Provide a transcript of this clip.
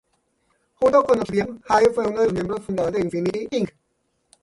Junto con Obsidian, Jade fue uno de los miembros fundadores de Infinity Inc.